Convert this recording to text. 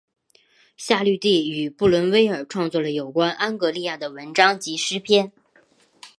夏绿蒂与布伦威尔创作了有关安格利亚的文章及诗篇。